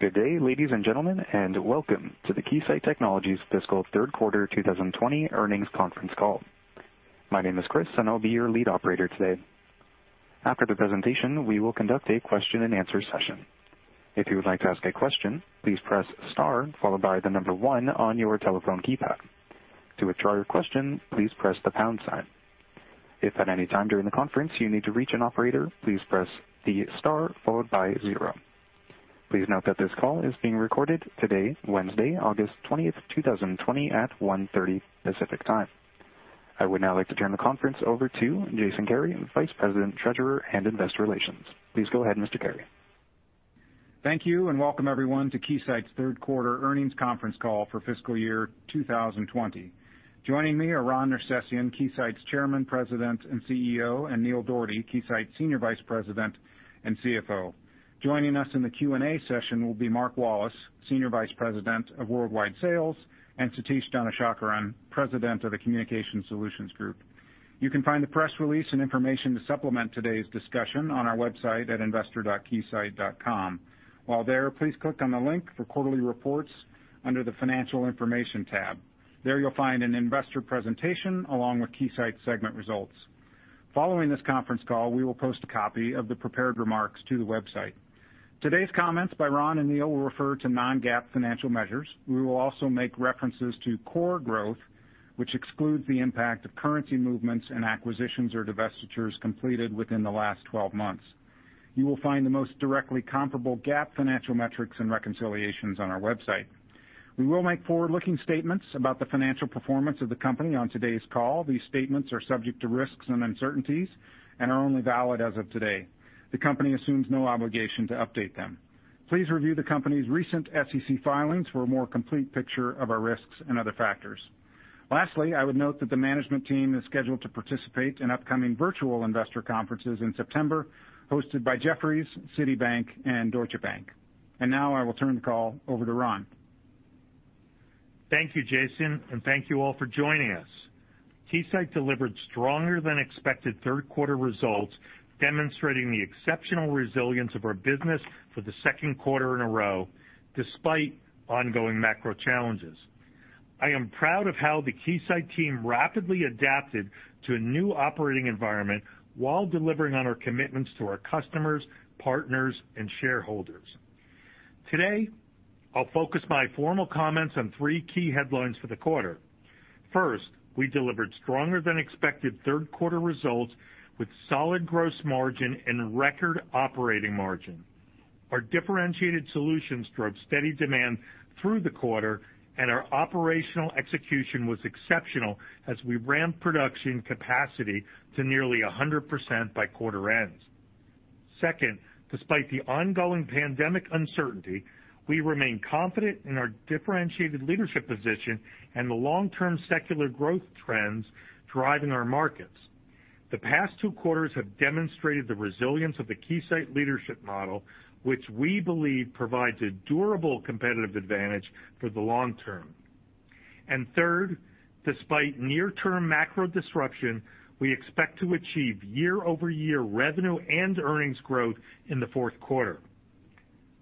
Good day, ladies and gentlemen, and welcome to the Keysight Technologies Fiscal Third Quarter 2020 Earnings Conference Call. My name is Chris, and I'll be your lead operator today. After the presentation, we will conduct a question and answer session. If you would like to ask a question, please press star followed by the number one on your telephone keypad. To withdraw your question, please press the pound sign. If at any time during the conference you need to reach an operator, please press the star followed by zero. Please note that this call is being recorded today, Wednesday, August 20th, 2020, at 1:30 P.M. Pacific Time. I would now like to turn the conference over to Jason Kary, Vice President, Treasurer, and Investor Relations. Please go ahead, Mr. Kary. Thank you. Welcome everyone to Keysight's Third Quarter Earnings Conference Call for Fiscal Year 2020. Joining me are Ron Nersesian, Keysight's Chairman, President, and CEO, and Neil Dougherty, Keysight's Senior Vice President and CFO. Joining us in the Q&A session will be Mark Wallace, Senior Vice President of Worldwide Sales, and Satish Dhanasekaran, President of the Communication Solutions Group. You can find the press release and information to supplement today's discussion on our website at investor.keysight.com. While there, please click on the link for quarterly reports under the financial information tab. There you'll find an investor presentation along with Keysight segment results. Following this conference call, we will post a copy of the prepared remarks to the website. Today's comments by Ron and Neil will refer to non-GAAP financial measures. We will also make references to core growth, which excludes the impact of currency movements and acquisitions or divestitures completed within the last 12 months. You will find the most directly comparable GAAP financial metrics and reconciliations on our website. We will make forward-looking statements about the financial performance of the company on today's call. These statements are subject to risks and uncertainties and are only valid as of today. The company assumes no obligation to update them. Please review the company's recent SEC filings for a more complete picture of our risks and other factors. Lastly, I would note that the management team is scheduled to participate in upcoming virtual investor conferences in September hosted by Jefferies, Citibank, and Deutsche Bank. Now I will turn the call over to Ron. Thank you, Jason, and thank you all for joining us. Keysight delivered stronger than expected third quarter results, demonstrating the exceptional resilience of our business for the second quarter in a row, despite ongoing macro challenges. I am proud of how the Keysight team rapidly adapted to a new operating environment while delivering on our commitments to our customers, partners, and shareholders. Today, I'll focus my formal comments on three key headlines for the quarter. First, we delivered stronger than expected third quarter results with solid gross margin and record operating margin. Our differentiated solutions drove steady demand through the quarter, and our operational execution was exceptional as we ramped production capacity to nearly 100% by quarter ends. Second, despite the ongoing pandemic uncertainty, we remain confident in our differentiated leadership position and the long-term secular growth trends driving our markets. The past two quarters have demonstrated the resilience of the Keysight Leadership Model, which we believe provides a durable competitive advantage for the long term. Third, despite near-term macro disruption, we expect to achieve year-over-year revenue and earnings growth in the fourth quarter.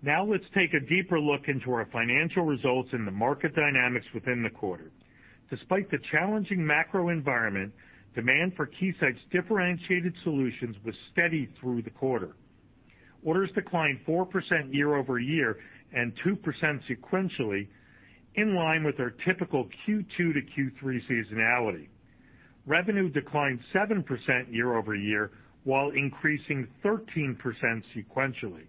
Now let's take a deeper look into our financial results and the market dynamics within the quarter. Despite the challenging macro environment, demand for Keysight's differentiated solutions was steady through the quarter. Orders declined 4% year-over-year and 2% sequentially, in line with our typical Q2-Q3 seasonality. Revenue declined 7% year-over-year, while increasing 13% sequentially.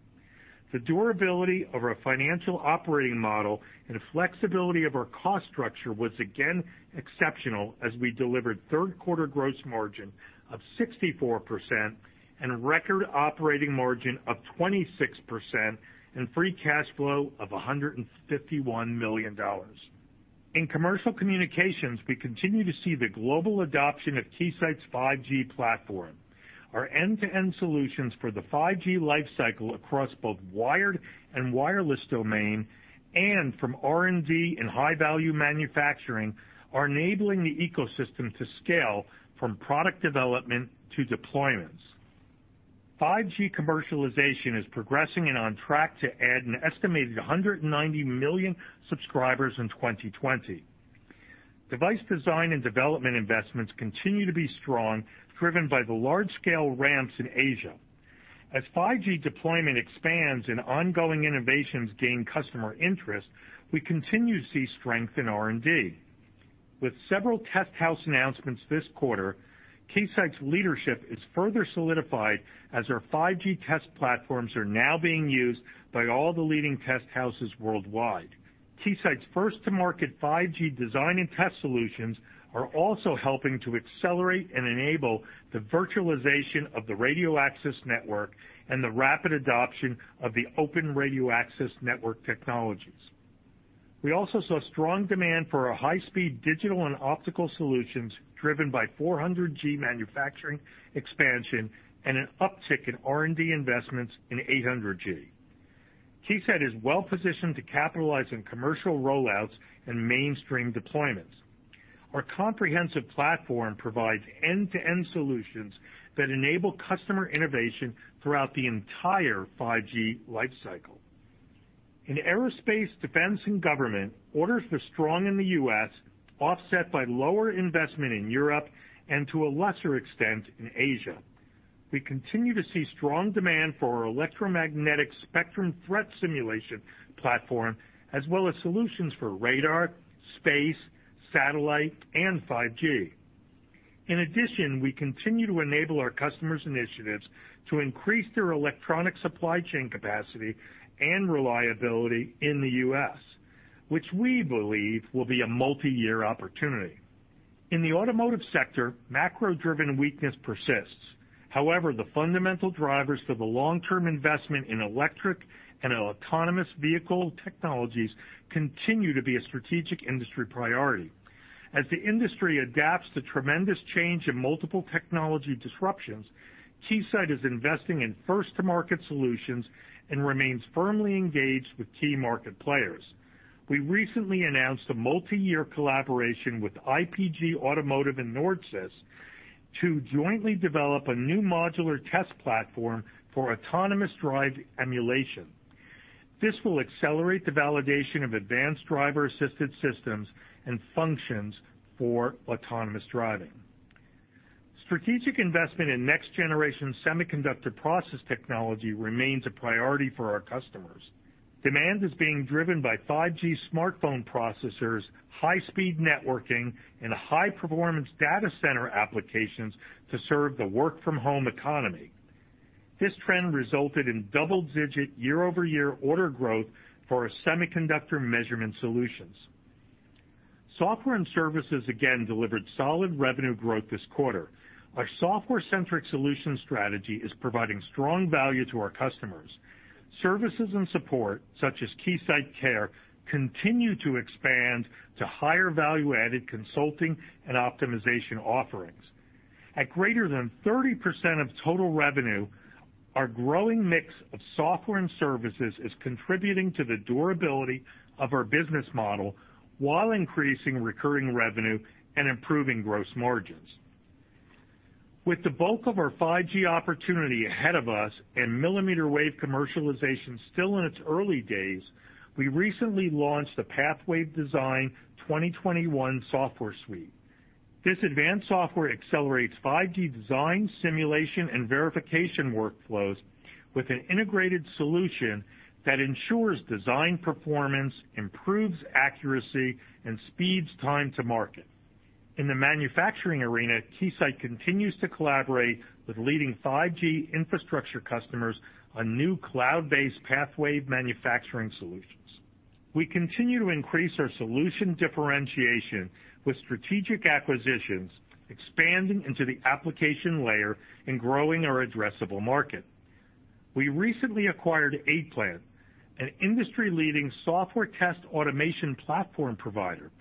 The durability of our financial operating model and flexibility of our cost structure was again exceptional as we delivered third quarter gross margin of 64% and record operating margin of 26%, and free cash flow of $151 million. In commercial communications, we continue to see the global adoption of Keysight's 5G platform. Our end-to-end solutions for the 5G life cycle across both wired and wireless domain and from R&D and high-value manufacturing are enabling the ecosystem to scale from product development to deployments. 5G commercialization is progressing and on track to add an estimated 190 million subscribers in 2020. Device design and development investments continue to be strong, driven by the large-scale ramps in Asia. As 5G deployment expands and ongoing innovations gain customer interest, we continue to see strength in R&D. With several test house announcements this quarter, Keysight's leadership is further solidified as our 5G test platforms are now being used by all the leading test houses worldwide. Keysight's first to market 5G design and test solutions are also helping to accelerate and enable the virtualization of the radio access network and the rapid adoption of the open radio access network technologies. We also saw strong demand for our high-speed digital and optical solutions driven by 400 Gb manufacturing expansion and an uptick in R&D investments in 800 Gb. Keysight is well positioned to capitalize on commercial rollouts and mainstream deployments. Our comprehensive platform provides end-to-end solutions that enable customer innovation throughout the entire 5G life cycle. In aerospace, defense, and government, orders were strong in the U.S., offset by lower investment in Europe and to a lesser extent, in Asia. We continue to see strong demand for our electromagnetic spectrum threat simulation platform, as well as solutions for radar, space, satellite, and 5G. In addition, we continue to enable our customers' initiatives to increase their electronic supply chain capacity and reliability in the U.S., which we believe will be a multi-year opportunity. In the automotive sector, macro-driven weakness persists. However, the fundamental drivers for the long-term investment in electric and autonomous vehicle technologies continue to be a strategic industry priority. As the industry adapts to tremendous change in multiple technology disruptions, Keysight is investing in first-to-market solutions and remains firmly engaged with key market players. We recently announced a multi-year collaboration with IPG Automotive and Nordsys to jointly develop a new modular test platform for autonomous drive emulation. This will accelerate the validation of advanced driver assistance systems and functions for autonomous driving. Strategic investment in next-generation semiconductor process technology remains a priority for our customers. Demand is being driven by 5G smartphone processors, high-speed networking, and high-performance data center applications to serve the work-from-home economy. This trend resulted in double-digit year-over-year order growth for our semiconductor measurement solutions. Software and services again delivered solid revenue growth this quarter. Our software-centric solution strategy is providing strong value to our customers. Services and support, such as KeysightCare, continue to expand to higher value-added consulting and optimization offerings. At greater than 30% of total revenue, our growing mix of software and services is contributing to the durability of our business model, while increasing recurring revenue and improving gross margins. With the bulk of our 5G opportunity ahead of us and millimeter wave commercialization still in its early days, we recently launched the PathWave Design 2021 software suite. This advanced software accelerates 5G design, simulation, and verification workflows with an integrated solution that ensures design performance, improves accuracy, and speeds time to market. In the manufacturing arena, Keysight continues to collaborate with leading 5G infrastructure customers on new cloud-based PathWave manufacturing solutions. We continue to increase our solution differentiation with strategic acquisitions, expanding into the application layer and growing our addressable market. We recently acquired Eggplant, an industry-leading software test automation platform provider.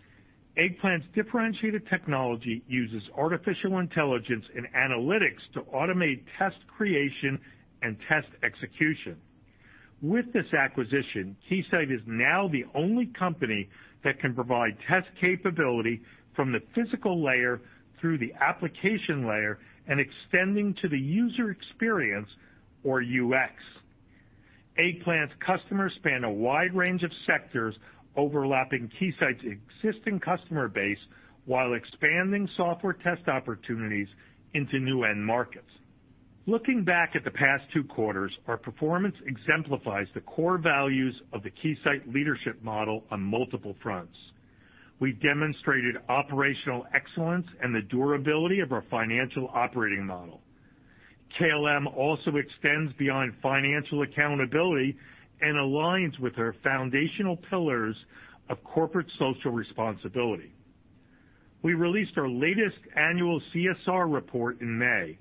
Eggplant's differentiated technology uses artificial intelligence and analytics to automate test creation and test execution. With this acquisition, Keysight is now the only company that can provide test capability from the physical layer through the application layer and extending to the user experience or UX. Eggplant's customers span a wide range of sectors, overlapping Keysight's existing customer base, while expanding software test opportunities into new end markets. Looking back at the past two quarters, our performance exemplifies the core values of the Keysight Leadership Model on multiple fronts. We demonstrated operational excellence and the durability of our financial operating model. KLM also extends beyond financial accountability and aligns with our foundational pillars of corporate social responsibility. We released our latest annual CSR report in May.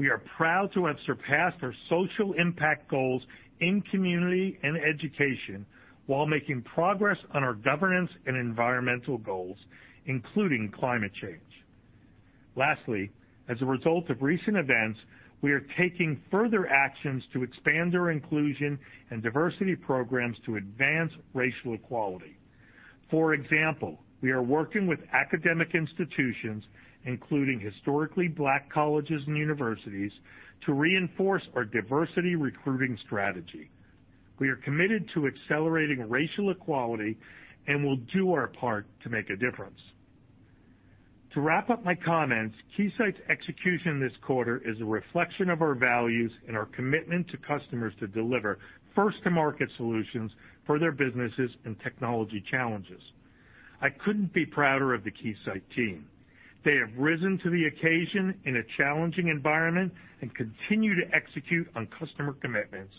We are proud to have surpassed our social impact goals in community and education while making progress on our governance and environmental goals, including climate change. Lastly, as a result of recent events, we are taking further actions to expand our inclusion and diversity programs to advance racial equality. For example, we are working with academic institutions, including historically Black colleges and universities, to reinforce our diversity recruiting strategy. We are committed to accelerating racial equality and will do our part to make a difference. To wrap up my comments, Keysight's execution this quarter is a reflection of our values and our commitment to customers to deliver first-to-market solutions for their businesses and technology challenges. I couldn't be prouder of the Keysight team. They have risen to the occasion in a challenging environment and continue to execute on customer commitments,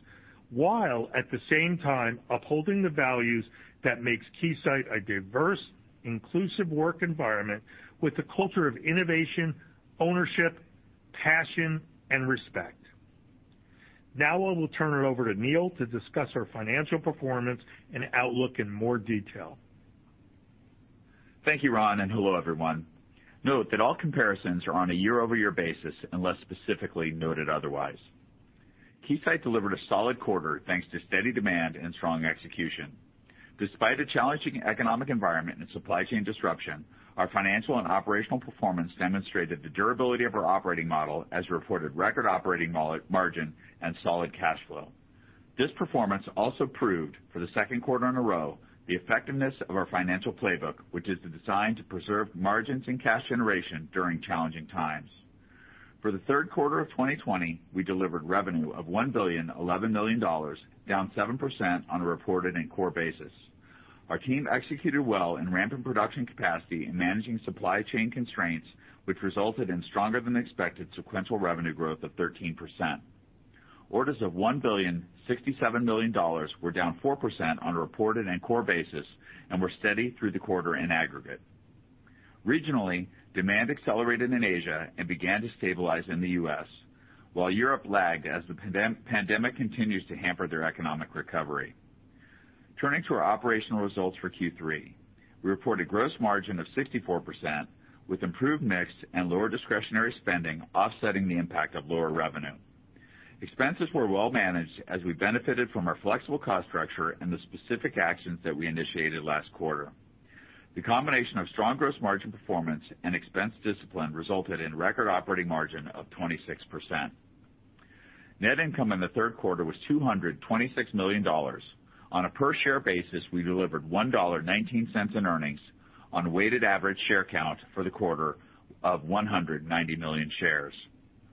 while at the same time upholding the values that makes Keysight a diverse, inclusive work environment with a culture of innovation, ownership, passion, and respect. Now I will turn it over to Neil to discuss our financial performance and outlook in more detail. Thank you, Ron. Hello, everyone. Note that all comparisons are on a year-over-year basis unless specifically noted otherwise. Keysight delivered a solid quarter thanks to steady demand and strong execution. Despite a challenging economic environment and supply chain disruption, our financial and operational performance demonstrated the durability of our operating model as we reported record operating margin and solid cash flow. This performance also proved, for the second quarter in a row, the effectiveness of our financial playbook, which is designed to preserve margins and cash generation during challenging times. For the third quarter of 2020, we delivered revenue of $1.011 billion, down 7% on a reported and core basis. Our team executed well in ramp and production capacity in managing supply chain constraints, which resulted in stronger than expected sequential revenue growth of 13%. Orders of $1.067 billion were down 4% on a reported and core basis and were steady through the quarter in aggregate. Regionally, demand accelerated in Asia and began to stabilize in the U.S., while Europe lagged as the pandemic continues to hamper their economic recovery. Turning to our operational results for Q3. We reported gross margin of 64% with improved mix and lower discretionary spending offsetting the impact of lower revenue. Expenses were well managed as we benefited from our flexible cost structure and the specific actions that we initiated last quarter. The combination of strong gross margin performance and expense discipline resulted in record operating margin of 26%. Net income in the third quarter was $226 million. On a per share basis, we delivered $1.19 in earnings on a weighted average share count for the quarter of 190 million shares.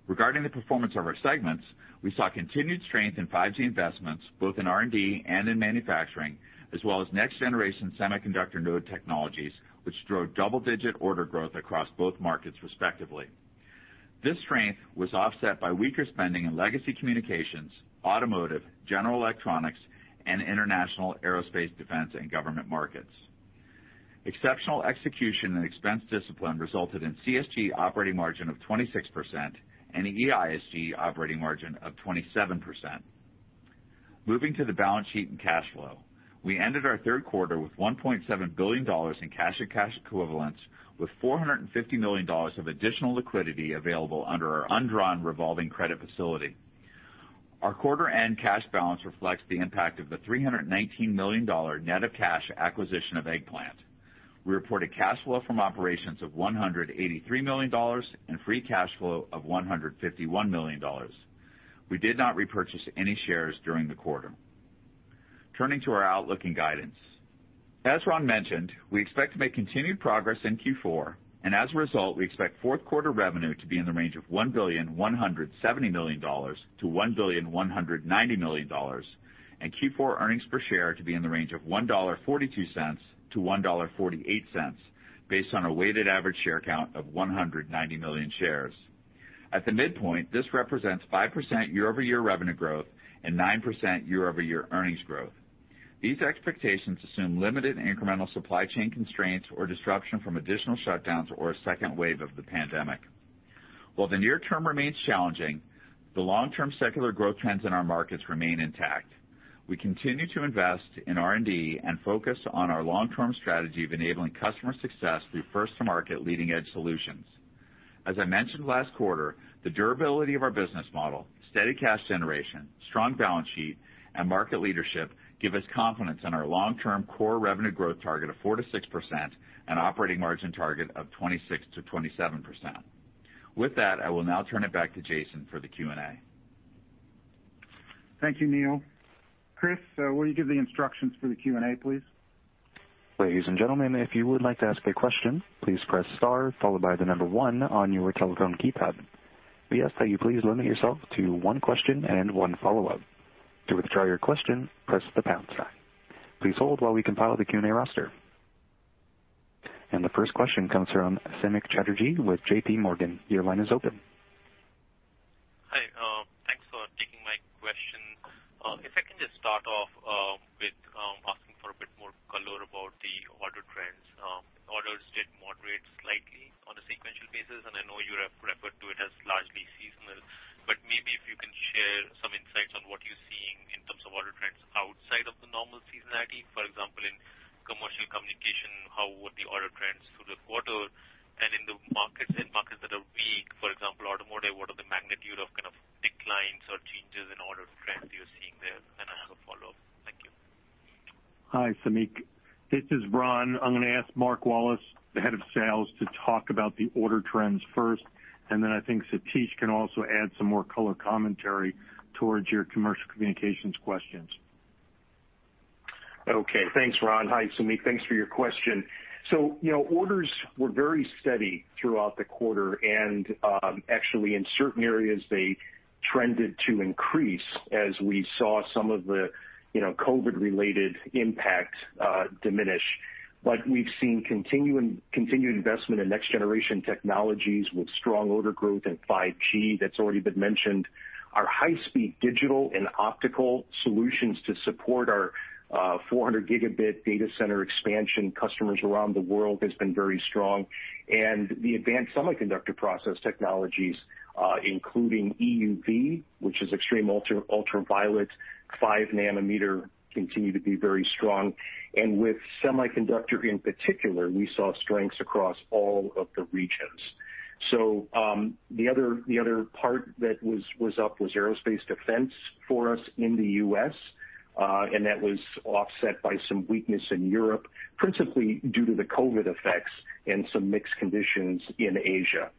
Regarding the performance of our segments, we saw continued strength in 5G investments, both in R&D and in manufacturing, as well as next generation semiconductor node technologies, which drove double-digit order growth across both markets, respectively. This strength was offset by weaker spending in legacy communications, automotive, general electronics, and international aerospace defense and government markets. Exceptional execution and expense discipline resulted in CSG operating margin of 26% and EISG operating margin of 27%. Moving to the balance sheet and cash flow, we ended our third quarter with $1.7 billion in cash and cash equivalents with $450 million of additional liquidity available under our undrawn revolving credit facility. Our quarter-end cash balance reflects the impact of the $319 million net of cash acquisition of Eggplant. We reported cash flow from operations of $183 million and free cash flow of $151 million. We did not repurchase any shares during the quarter. Turning to our outlook and guidance. As Ron mentioned, we expect to make continued progress in Q4, and as a result, we expect fourth quarter revenue to be in the range of $1.17 billion-$1.19 billion and Q4 earnings per share to be in the range of $1.42-$1.48 based on a weighted average share count of 190 million shares. At the midpoint, this represents 5% year-over-year revenue growth and 9% year-over-year earnings growth. These expectations assume limited incremental supply chain constraints or disruption from additional shutdowns or a second wave of the pandemic. While the near term remains challenging, the long-term secular growth trends in our markets remain intact. We continue to invest in R&D and focus on our long-term strategy of enabling customer success through first to market leading edge solutions. As I mentioned last quarter, the durability of our business model, steady cash generation, strong balance sheet, and market leadership give us confidence in our long-term core revenue growth target of 4%-6% and operating margin target of 26%-27%. With that, I will now turn it back to Jason for the Q&A. Thank you, Neil. Chris, will you give the instructions for the Q&A, please? Ladies and gentlemen, if you would like to ask a question, please press star followed by the number one on your telephone keypad. We ask that you please limit yourself to one question and one follow-up. To withdraw your question, press the pound sign. Please hold while we compile the Q&A roster. The first question comes from Samik Chatterjee with JPMorgan. Your line is open. Hi, thanks for taking my question. If I can just start off with asking for a bit more color about the order trends. Orders did moderate slightly on a sequential basis, and I know you referred to it as largely seasonal, but maybe if you can share some insights on what you're seeing in terms of order trends outside of the normal seasonality. For example, in commercial communication, how were the order trends through the quarter and in the markets that are weak, for example, automotive, what are the magnitude of kind of declines or changes in order trends you're seeing there? I have a follow-up. Thank you. Hi, Samik. This is Ron. I'm going to ask Mark Wallace, the head of sales, to talk about the order trends first, and then I think Satish can also add some more color commentary towards your commercial communications questions. Okay. Thanks, Ron. Hi, Samik. Thanks for your question. Orders were very steady throughout the quarter, and actually in certain areas, they trended to increase as we saw some of the COVID-related impact diminish. We've seen continued investment in next-generation technologies with strong order growth and 5G that's already been mentioned. Our high-speed digital and optical solutions to support our 400 Gb data center expansion customers around the world has been very strong. The advanced semiconductor process technologies, including EUV, which is extreme ultraviolet, 5 nm continue to be very strong. With semiconductor in particular, we saw strengths across all of the regions. The other part that was up was aerospace defense for us in the U.S., and that was offset by some weakness in Europe principally due to the COVID effects and some mixed conditions in Asia.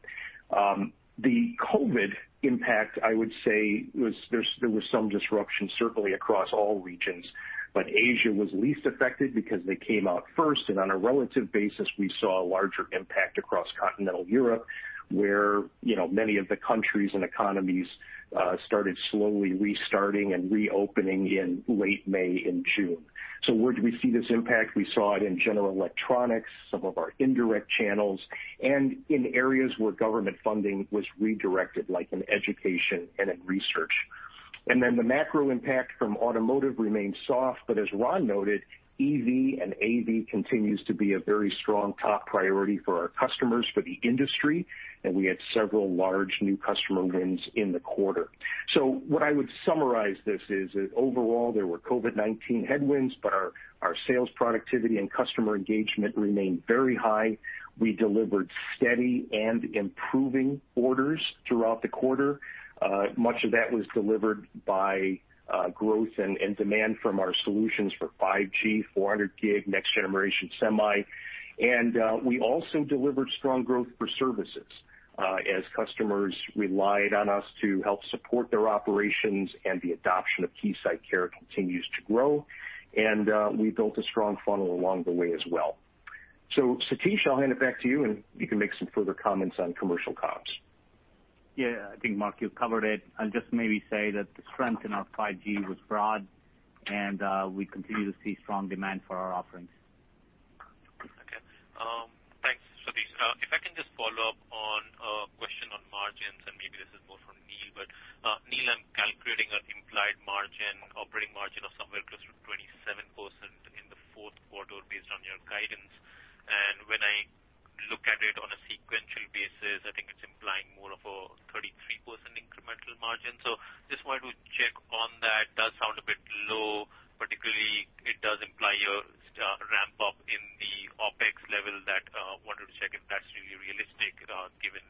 The COVID impact, I would say, there was some disruption certainly across all regions, but Asia was least affected because they came out first, and on a relative basis, we saw a larger impact across continental Europe, where many of the countries and economies started slowly restarting and reopening in late May and June. Where did we see this impact? We saw it in general electronics, some of our indirect channels, and in areas where government funding was redirected, like in education and in research. The macro impact from automotive remained soft, but as Ron noted, EV and AV continues to be a very strong top priority for our customers, for the industry, and we had several large new customer wins in the quarter. What I would summarize this is that overall, there were COVID-19 headwinds, but our sales productivity and customer engagement remained very high. We delivered steady and improving orders throughout the quarter. Much of that was delivered by growth and demand from our solutions for 5G, 400 Gb, next generation semi. We also delivered strong growth for services as customers relied on us to help support their operations and the adoption of KeysightCare continues to grow, and we built a strong funnel along the way as well. Satish, I'll hand it back to you, and you can make some further comments on commercial comms. Yeah, I think, Mark, you covered it. I'll just maybe say that the strength in our 5G was broad, and we continue to see strong demand for our offerings. Okay. Thanks, Satish. If I can just follow up on a question on margins, and maybe this is more for Neil. Neil, I'm calculating an implied margin, operating margin of somewhere close to 27% in the fourth quarter based on your guidance. When I look at it on a sequential basis, I think it's implying more of a 33% incremental margin. Just wanted to check on that. Does sound a bit low, particularly it does imply a ramp-up in the OpEx level that I wanted to check if that's really realistic given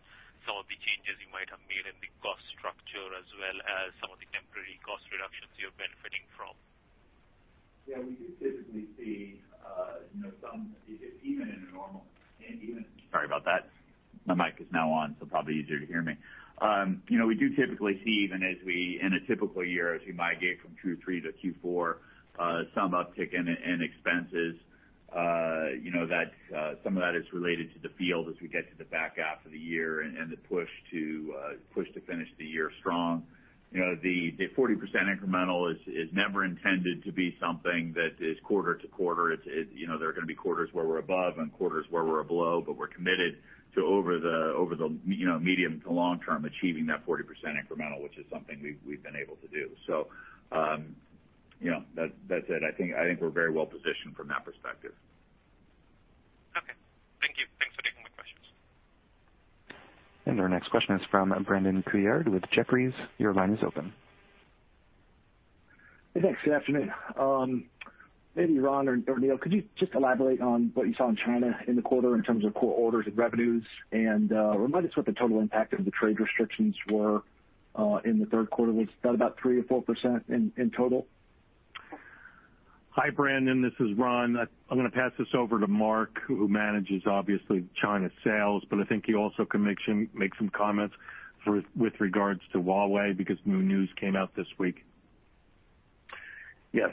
some of the changes you might have made in the cost structure as well as some of the temporary cost reductions you're benefiting from. We do typically see even in a typical year, as we migrate from Q3-Q4, some uptick in expenses. Some of that is related to the field as we get to the back half of the year and the push to finish the year strong. The 40% incremental is never intended to be something that is quarter to quarter. There are going to be quarters where we're above and quarters where we're below. We're committed to over the medium to long term, achieving that 40% incremental, which is something we've been able to do. That's it. I think we're very well-positioned from that perspective. Okay. Thank you. Thanks for taking my questions. Our next question is from Brandon Couillard with Jefferies. Your line is open. Thanks. Good afternoon. Maybe Ron or Neil, could you just elaborate on what you saw in China in the quarter in terms of core orders and revenues? Remind us what the total impact of the trade restrictions were in the third quarter, was that about 3% or 4% in total? Hi, Brandon, this is Ron. I'm going to pass this over to Mark, who manages, obviously, China sales. I think he also can make some comments with regards to Huawei because new news came out this week.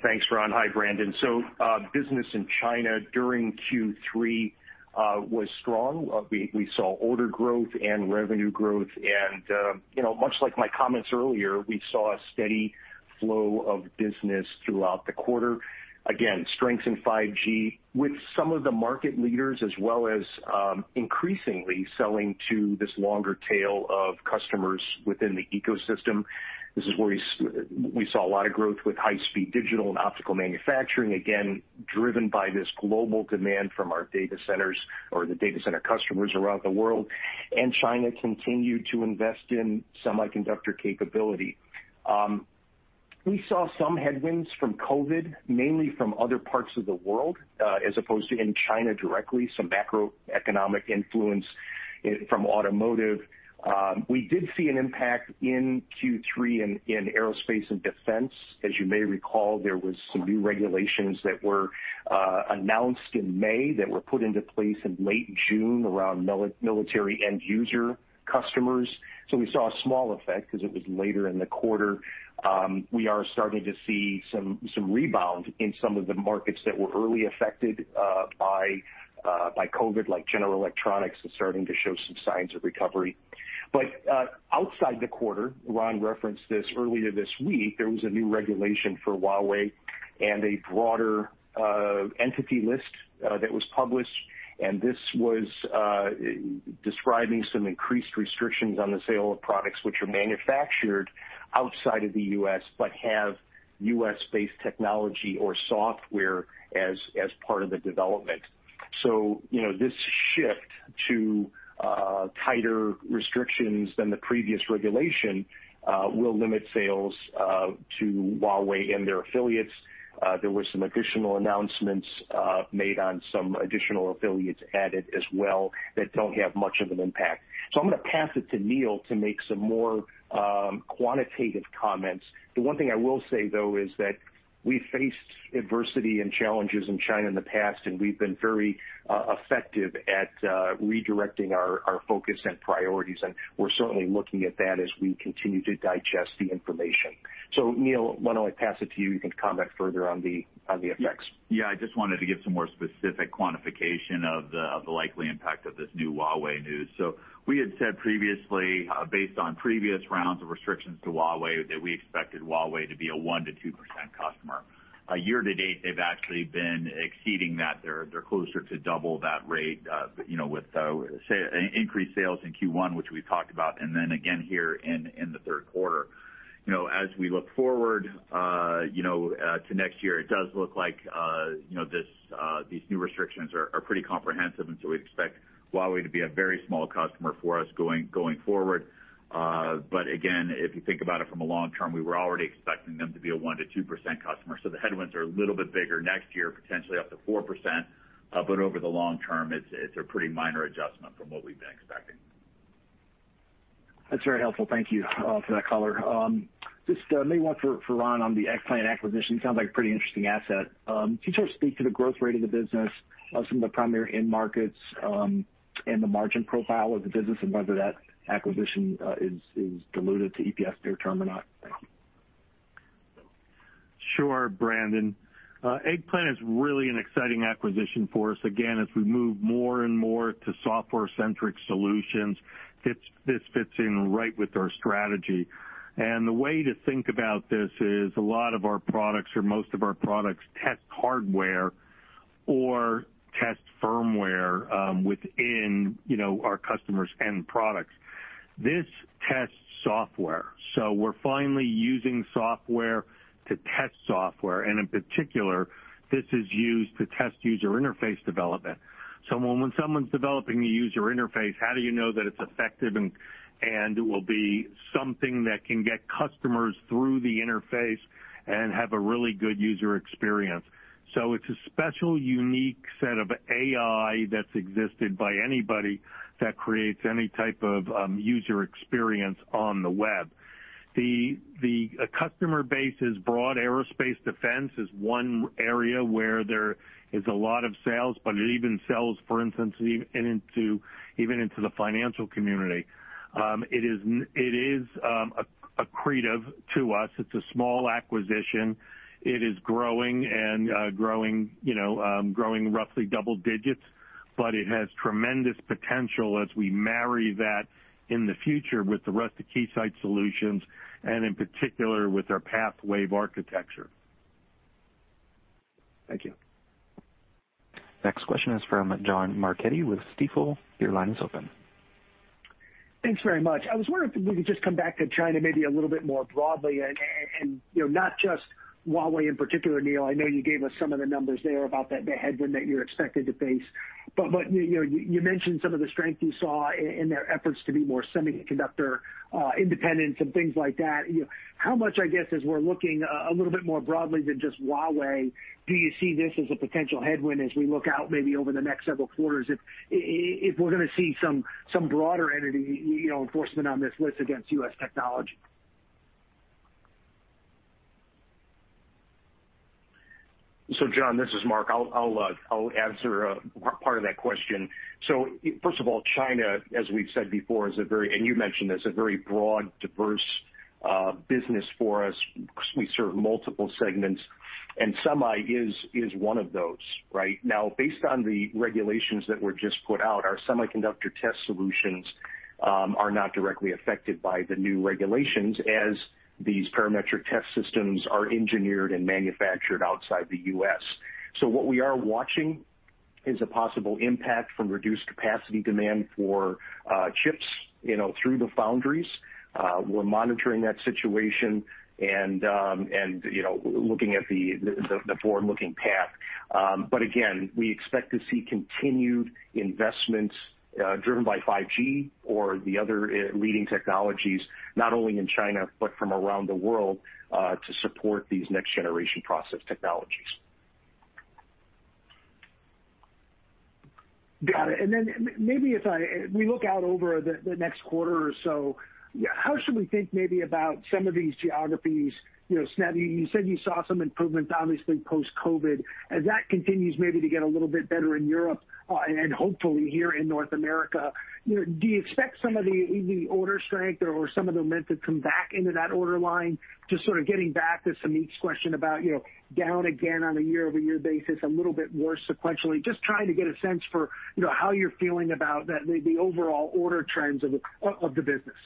Thanks, Ron. Hi, Brandon. Business in China during Q3 was strong. We saw order growth and revenue growth and much like my comments earlier, we saw a steady flow of business throughout the quarter. Again, strength in 5G with some of the market leaders as well as increasingly selling to this longer tail of customers within the ecosystem. This is where we saw a lot of growth with high-speed digital and optical manufacturing, again, driven by this global demand from our data centers or the data center customers around the world. China continued to invest in semiconductor capability. We saw some headwinds from COVID, mainly from other parts of the world, as opposed to in China directly, some macroeconomic influence from automotive. We did see an impact in Q3 in aerospace and defense. As you may recall, there was some new regulations that were announced in May that were put into place in late June around military end user customers. We saw a small effect because it was later in the quarter. We are starting to see some rebound in some of the markets that were early affected by COVID, like general electronics is starting to show some signs of recovery. Outside the quarter, Ron referenced this earlier this week, there was a new regulation for Huawei and a broader entity list that was published. This was describing some increased restrictions on the sale of products which are manufactured outside of the U.S. but have US-based technology or software as part of the development. This shift to tighter restrictions than the previous regulation will limit sales to Huawei and their affiliates. There were some additional announcements made on some additional affiliates added as well that don't have much of an impact. I'm going to pass it to Neil to make some more quantitative comments. The one thing I will say, though, is that we faced adversity and challenges in China in the past, and we've been very effective at redirecting our focus and priorities, and we're certainly looking at that as we continue to digest the information. Neil, why don't I pass it to you. You can comment further on the effects. Yeah, I just wanted to give some more specific quantification of the likely impact of this new Huawei news. We had said previously, based on previous rounds of restrictions to Huawei, that we expected Huawei to be a 1%-2% customer. Year to date, they've actually been exceeding that. They're closer to double that rate with increased sales in Q1, which we talked about, and then again here in the third quarter. As we look forward to next year, it does look like these new restrictions are pretty comprehensive. We expect Huawei to be a very small customer for us going forward. But again, if you think about it from a long-term, we were already expecting them to be a 1%-2% customer. The headwinds are a little bit bigger next year, potentially up to 4%. Over the long term, it's a pretty minor adjustment from what we've been expecting. That's very helpful. Thank you for that color. Just maybe one for Ron on the Eggplant acquisition. Sounds like a pretty interesting asset. Can you sort of speak to the growth rate of the business, some of the primary end markets, and the margin profile of the business, and whether that acquisition is dilutive to EPS near-term or not? Thank you. Sure, Brandon. Eggplant is really an exciting acquisition for us. Again, as we move more and more to software-centric solutions, this fits in right with our strategy. The way to think about this is a lot of our products, or most of our products, test hardware or test firmware, within our customers' end products. This tests software, so we're finally using software to test software, and in particular, this is used to test user interface development. When someone's developing a user interface, how do you know that it's effective and will be something that can get customers through the interface and have a really good user experience? It's a special, unique set of AI that's existed by anybody that creates any type of user experience on the web. The customer base is broad. Aerospace defense is one area where there is a lot of sales, but it even sells, for instance, even into the financial community. It is accretive to us. It's a small acquisition. It is growing and growing roughly double digits, but it has tremendous potential as we marry that in the future with the rest of Keysight solutions and in particular with our PathWave architecture. Thank you. Next question is from John Marchetti with Stifel. Your line is open. Thanks very much. I was wondering if we could just come back to China maybe a little bit more broadly and, not just Huawei in particular, Neil. I know you gave us some of the numbers there about the headwind that you're expected to face. You mentioned some of the strength you saw in their efforts to be more semiconductor independent and things like that. How much, I guess, as we're looking a little bit more broadly than just Huawei, do you see this as a potential headwind as we look out maybe over the next several quarters, if we're going to see some broader entity enforcement on this list against US technology? John, this is Mark. I'll answer part of that question. First of all, China, as we've said before, is a very, and you mentioned this, a very broad, diverse business for us. We serve multiple segments, semi is one of those. Right now, based on the regulations that were just put out, our semiconductor test solutions are not directly affected by the new regulations as these parametric test systems are engineered and manufactured outside the U.S. What we are watching is a possible impact from reduced capacity demand for chips through the foundries. We're monitoring that situation and looking at the forward-looking path. Again, we expect to see continued investments driven by 5G or the other leading technologies, not only in China but from around the world, to support these next-generation process technologies. Got it. Maybe if we look out over the next quarter or so, how should we think maybe about some of these geographies? You said you saw some improvement, obviously, post-COVID. As that continues maybe to get a little bit better in Europe and hopefully here in North America, do you expect some of the order strength or some of the momentum come back into that order line? Just sort of getting back to Samik's question about down again on a year-over-year basis, a little bit worse sequentially. Just trying to get a sense for how you're feeling about the overall order trends of the business.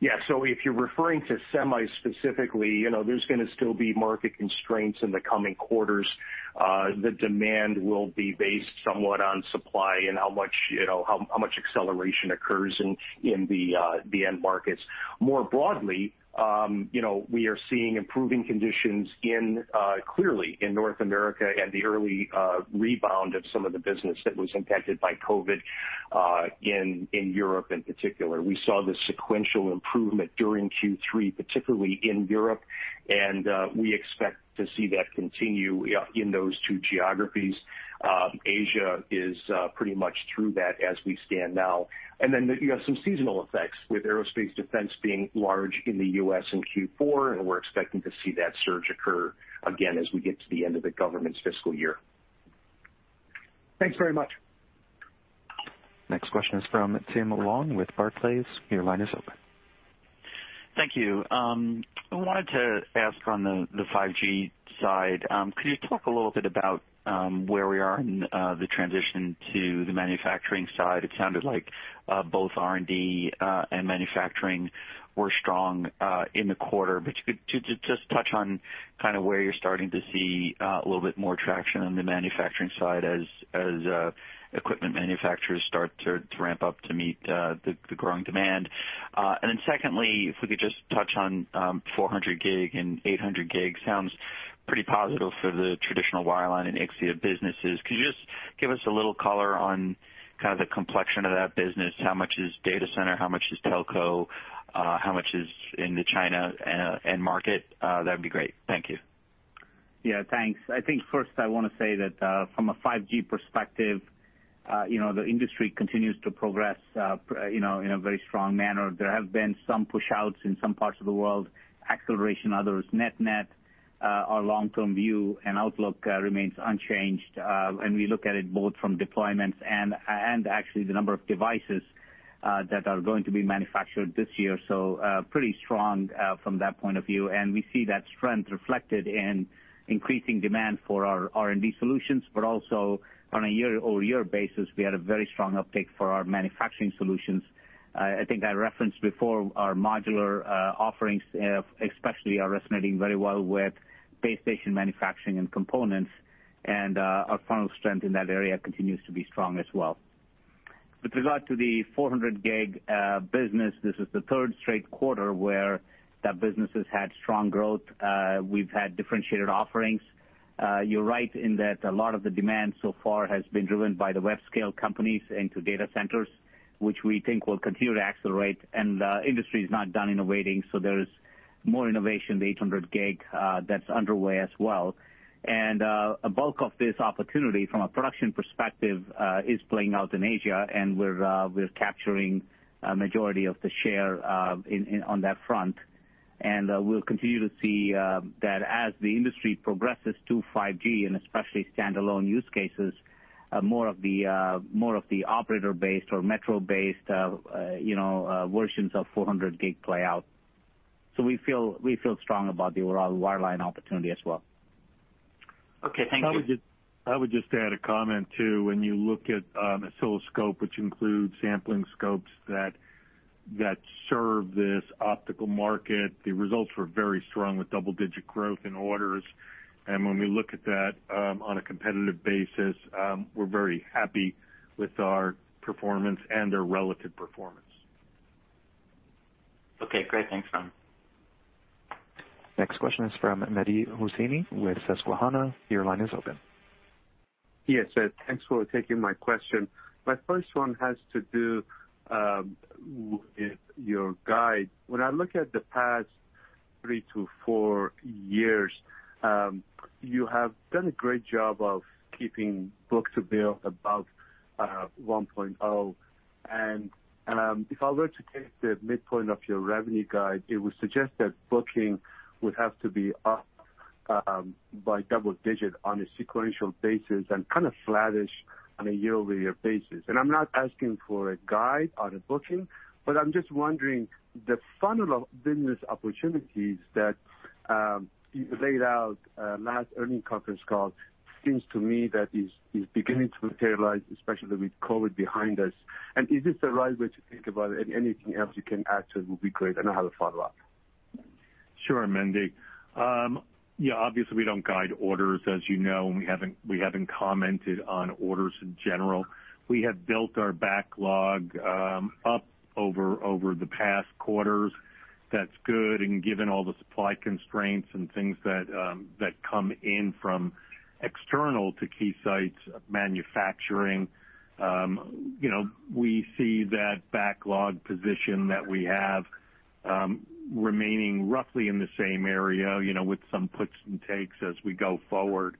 Yeah. If you're referring to semi specifically, there's going to still be market constraints in the coming quarters. The demand will be based somewhat on supply and how much acceleration occurs in the end markets. More broadly, we are seeing improving conditions clearly in North America and the early rebound of some of the business that was impacted by COVID, in Europe in particular. We saw the sequential improvement during Q3, particularly in Europe, and we expect to see that continue in those two geographies. Asia is pretty much through that as we stand now. Then you have some seasonal effects with aerospace defense being large in the U.S. in Q4, and we're expecting to see that surge occur again as we get to the end of the government's fiscal year. Thanks very much. Next question is from Tim Long with Barclays. Your line is open. Thank you. I wanted to ask on the 5G side, could you talk a little bit about where we are in the transition to the manufacturing side? It sounded like both R&D and manufacturing were strong in the quarter, but if you could just touch on where you're starting to see a little bit more traction on the manufacturing side as equipment manufacturers start to ramp up to meet the growing demand. Secondly, if we could just touch on 400 Gb and 800 Gb. Sounds pretty positive for the traditional wireline and Ixia businesses. Could you just give us a little color on the complexion of that business? How much is data center? How much is telco? How much is in the China end market? That'd be great. Thank you. Yeah, thanks. I think first I want to say that, from a 5G perspective, the industry continues to progress in a very strong manner. There have been some push-outs in some parts of the world, acceleration others. Net net, our long-term view and outlook remains unchanged. We look at it both from deployments and actually the number of devices that are going to be manufactured this year. Pretty strong from that point of view. We see that strength reflected in increasing demand for our R&D solutions, but also on a year-over-year basis, we had a very strong uptick for our manufacturing solutions. I think I referenced before our modular offerings especially are resonating very well with base station manufacturing and components, and our funnel strength in that area continues to be strong as well. With regard to the 400 Gb business, this is the third straight quarter where that business has had strong growth. We've had differentiated offerings. You're right in that a lot of the demand so far has been driven by the web scale companies into data centers, which we think will continue to accelerate. The industry's not done innovating, there's more innovation, the 800 Gb, that's underway as well. A bulk of this opportunity from a production perspective, is playing out in Asia and we're capturing a majority of the share on that front. We'll continue to see that as the industry progresses to 5G and especially standalone use cases, more of the operator-based or metro-based versions of 400 Gb play out. We feel strong about the overall wireline opportunity as well. Okay. Thank you. I would just add a comment, too. When you look at oscilloscope, which includes sampling scopes that serve this optical market, the results were very strong with double-digit growth in orders. When we look at that on a competitive basis, we're very happy with our performance and our relative performance. Okay, great. Thanks, Ron. Next question is from Mehdi Hosseini with Susquehanna. Your line is open. Yes. Thanks for taking my question. My first one has to do with your guide. When I look at the past 3-4 years, you have done a great job of keeping book-to-bill above 1.0. If I were to take the midpoint of your revenue guide, it would suggest that booking would have to be up by double-digit on a sequential basis and kind of flattish on a year-over-year basis. I'm not asking for a guide on a booking, but I'm just wondering, the funnel of business opportunities that you laid out last earning conference call seems to me that is beginning to materialize, especially with COVID behind us. Is this the right way to think about it? Anything else you can add to it will be great. I have a follow-up. Sure, Mehdi. Yeah, obviously, we don't guide orders, as you know, and we haven't commented on orders in general. We have built our backlog up over the past quarters. That's good. Given all the supply constraints and things that come in from external to Keysight's manufacturing, we see that backlog position that we have remaining roughly in the same area, with some puts and takes as we go forward.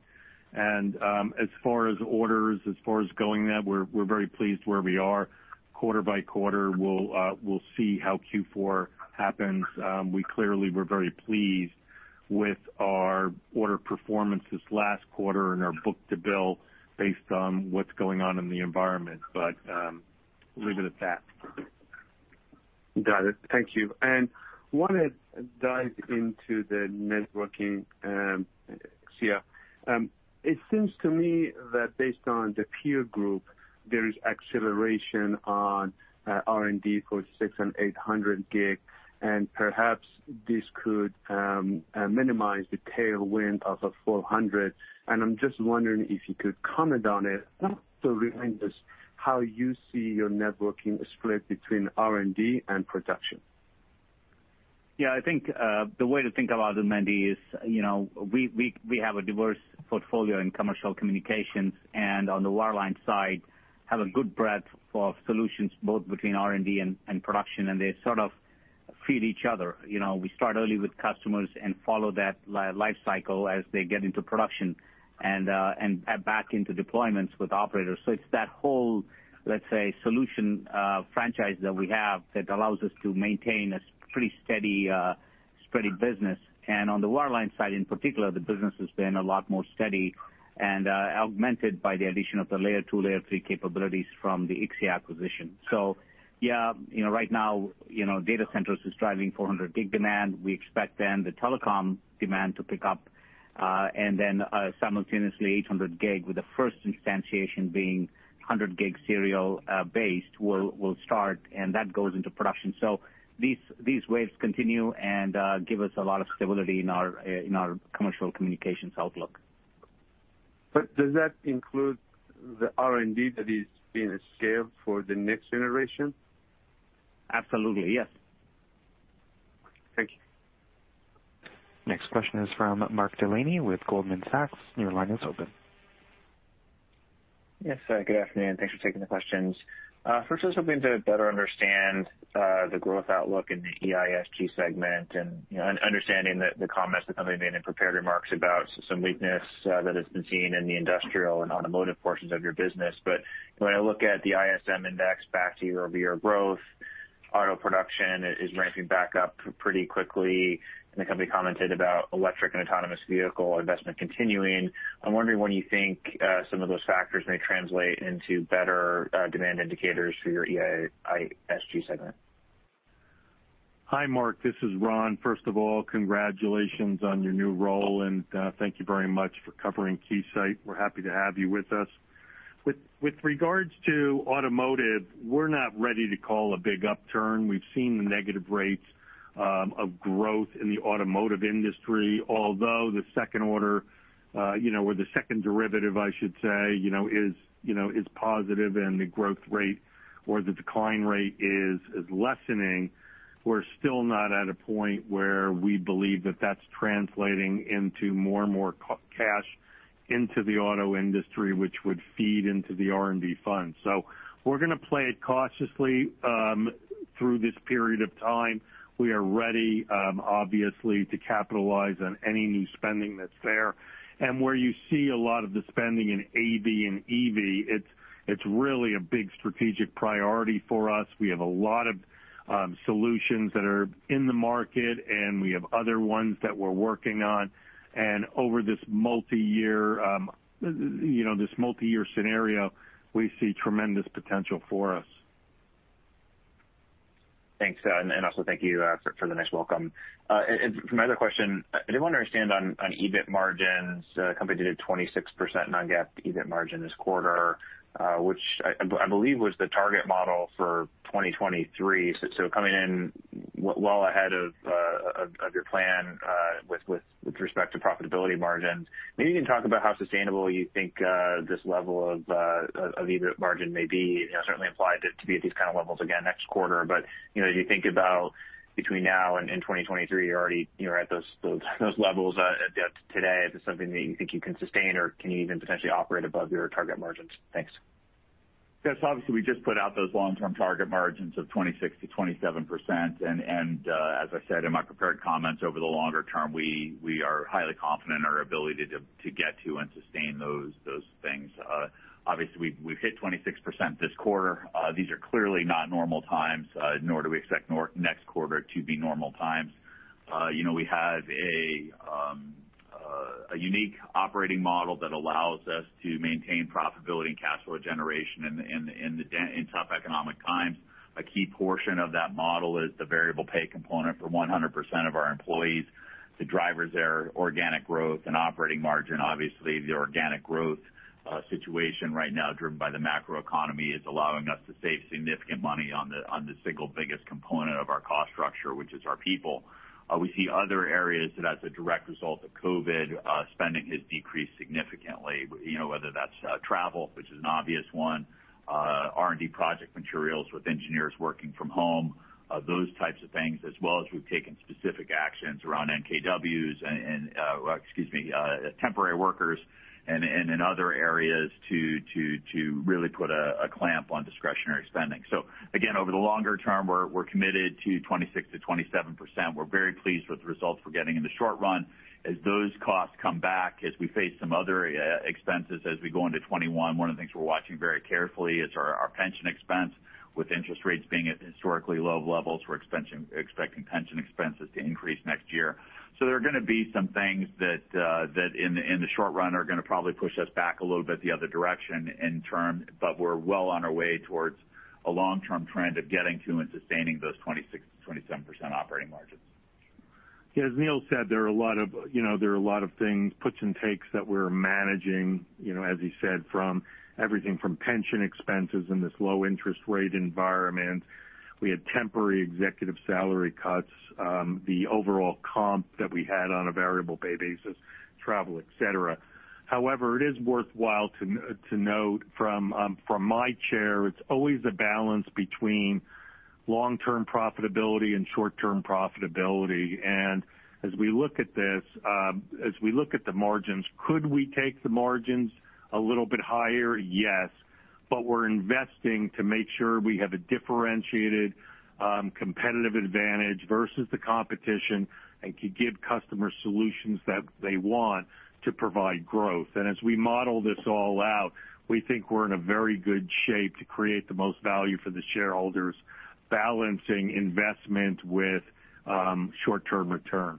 As far as orders, as far as going there, we're very pleased where we are quarter by quarter. We'll see how Q4 happens. We clearly were very pleased with our order performance this last quarter and our book-to-bill based on what's going on in the environment. Leave it at that. Got it. Thank you. Want to dive into the networking, Ixia. It seems to me that based on the peer group, there is acceleration on R&D for 600 Gb and 800 Gb, and perhaps this could minimize the tailwind of a 400 Gb. I'm just wondering if you could comment on it, also remind us how you see your networking split between R&D and production. Yeah, I think the way to think about it, Mehdi, is we have a diverse portfolio in commercial communications and on the wireline side, have a good breadth of solutions, both between R&D and production, and they sort of feed each other. We start early with customers and follow that life cycle as they get into production and back into deployments with operators. It's that whole, let's say, solution franchise that we have that allows us to maintain a pretty steady spreaded business. And on the wireline side in particular, the business has been a lot more steady and augmented by the addition of the layer 2, layer 3 capabilities from the Ixia acquisition. Yeah, right now, data centers is driving 400 Gb demand. We expect then the telecom demand to pick up, and then simultaneously 800 Gb with the first instantiation being 100 Gb serial based will start, and that goes into production. These waves continue and give us a lot of stability in our commercial communications outlook. Does that include the R&D that is being scaled for the next generation? Absolutely, yes. Thank you. Next question is from Mark Delaney with Goldman Sachs. Your line is open. Yes, good afternoon. Thanks for taking the questions. First, I was hoping to better understand the growth outlook in the EISG segment and understanding the comments the company made in prepared remarks about some weakness that has been seen in the industrial and automotive portions of your business. When I look at the ISM index back to year-over-year growth, auto production is ramping back up pretty quickly, and the company commented about electric and autonomous vehicle investment continuing. I'm wondering when you think some of those factors may translate into better demand indicators for your EISG segment. Hi, Mark. This is Ron. First of all, congratulations on your new role, and thank you very much for covering Keysight. We're happy to have you with us. With regards to automotive, we're not ready to call a big upturn. We've seen the negative rates of growth in the automotive industry. The second order, or the second derivative, I should say, is positive and the growth rate or the decline rate is lessening. We're still not at a point where we believe that that's translating into more and more cash into the auto industry, which would feed into the R&D fund. We're going to play it cautiously through this period of time. We are ready, obviously, to capitalize on any new spending that's there. Where you see a lot of the spending in AV and EV, it's really a big strategic priority for us. We have a lot of solutions that are in the market, and we have other ones that we're working on. Over this multi-year scenario, we see tremendous potential for us. Thanks, and also thank you for the nice welcome. For my other question, I did want to understand on EBIT margins, the company did a 26% non-GAAP EBIT margin this quarter, which I believe was the target model for 2023. Coming in well ahead of your plan with respect to profitability margins. Maybe you can talk about how sustainable you think this level of EBIT margin may be. It certainly implied it to be at these kind of levels again next quarter. As you think about between now and 2023, you're already at those levels today. Is this something that you think you can sustain, or can you even potentially operate above your target margins? Thanks. Yes, obviously, we just put out those long-term target margins of 26%-27%. As I said in my prepared comments, over the longer term, we are highly confident in our ability to get to and sustain those things. Obviously, we've hit 26% this quarter. These are clearly not normal times, nor do we expect next quarter to be normal times. We have a unique operating model that allows us to maintain profitability and cash flow generation in tough economic times. A key portion of that model is the variable pay component for 100% of our employees to drive their organic growth and operating margin. Obviously, the organic growth situation right now driven by the macroeconomy is allowing us to save significant money on the single biggest component of our cost structure, which is our people. We see other areas that as a direct result of COVID, spending has decreased significantly, whether that's travel, which is an obvious one, R&D project materials with engineers working from home, those types of things, as well as we've taken specific actions around NPWs, temporary workers and in other areas to really put a clamp on discretionary spending. Again, over the longer term, we're committed to 26%-27%. We're very pleased with the results we're getting in the short run. As those costs come back, as we face some other expenses as we go into 2021, one of the things we're watching very carefully is our pension expense. With interest rates being at historically low levels, we're expecting pension expenses to increase next year. There are going to be some things that in the short run are going to probably push us back a little bit the other direction in turn, but we're well on our way towards a long-term trend of getting to and sustaining those 26%-27% operating margins. Yeah, as Neil said, there are a lot of things, puts and takes that we're managing, as he said, from everything from pension expenses in this low interest rate environment. We had temporary executive salary cuts, the overall comp that we had on a variable pay basis, travel, et cetera. However, it is worthwhile to note from my chair, it's always a balance between long-term profitability and short-term profitability. As we look at this, as we look at the margins, could we take the margins a little bit higher? Yes. We're investing to make sure we have a differentiated competitive advantage versus the competition and to give customers solutions that they want to provide growth. As we model this all out, we think we're in a very good shape to create the most value for the shareholders, balancing investment with short-term return.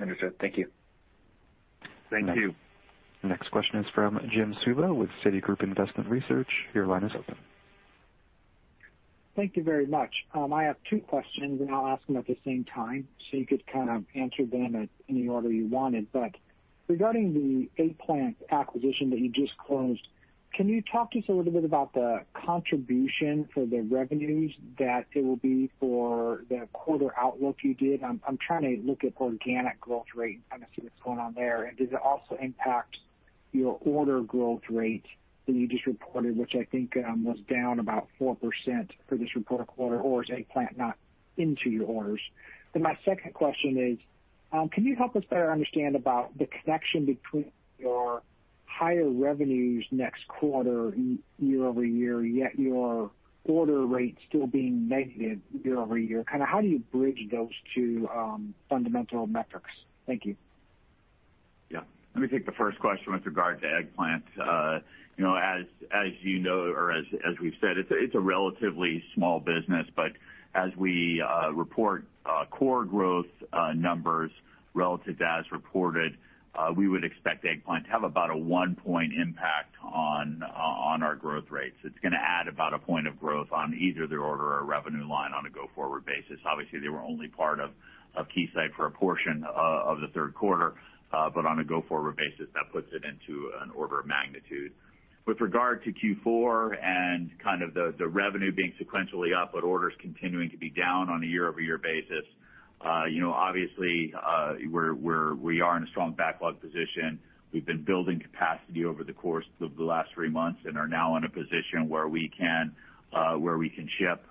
Understood. Thank you. Thank you. Next question is from Jim Suva with Citigroup Investment Research. Your line is open. Thank you very much. I have two questions. I'll ask them at the same time, you could kind of answer them in any order you wanted. Regarding the Eggplant acquisition that you just closed, can you talk to us a little bit about the contribution for the revenues that it will be for the quarter outlook you did? I'm trying to look at organic growth rate and kind of see what's going on there, does it also impact your order growth rate that you just reported, which I think was down about 4% for this reported quarter, or is Eggplant not into your orders? My second question is, can you help us better understand about the connection between your higher revenues next quarter year-over-year, yet your order rate still being negative year-over-year? Kind of how do you bridge those two fundamental metrics? Thank you. Yeah. Let me take the first question with regard to Eggplant. As you know or as we've said, it's a relatively small business, but as we report core growth numbers relative to as reported, we would expect Eggplant to have about a one-point impact on our growth rates. It's going to add about a point of growth on either the order or revenue line on a go-forward basis. Obviously, they were only part of Keysight for a portion of third quarter. On a go-forward basis, that puts it into an order of magnitude. With regard to Q4 and kind of the revenue being sequentially up, but orders continuing to be down on a year-over-year basis, obviously we are in a strong backlog position. We've been building capacity over the course of the last three months and are now in a position where we can ship